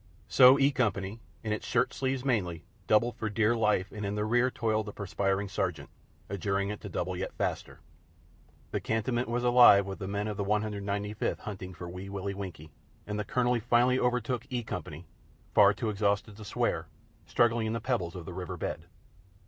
So E Company, in its shirt sleeves mainly, doubled for the dear life, and in the rear toiled the perspiring Sergeant, adjuring it to double yet faster. The cantonment was alive with the men of the 195th hunting for Wee Willie Winkie, and the Colonel finally overtook E Company, far too exhausted to swear, struggling in the pebbles of the river bed.